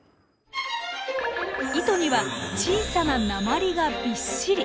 糸には小さな鉛がびっしり！